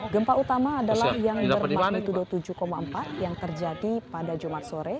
gempa utama adalah yang bermagnitudo tujuh empat yang terjadi pada jumat sore